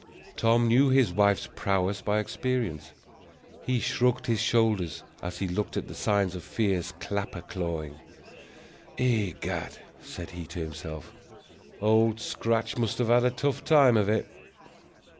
Tom knew his wife's prowess by experience. He shrugged his shoulders as he looked at the signs of fierce clapper clawing. "Egad," said he to himself, "Old Scratch must have had a tough time of it!"